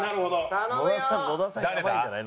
野田さん野田さんやばいんじゃない？